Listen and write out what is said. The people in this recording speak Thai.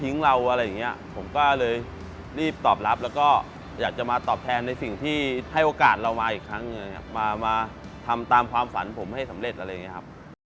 อะไรอย่างเงี้ยผมก็เลยรีบตอบรับแล้วก็อยากจะมาตอบแทนในสิ่งที่ให้โอกาสเรามาอีกครั้งหนึ่งมามาทำตามความฝันผมให้สำเร็จอะไรอย่างนี้ครับ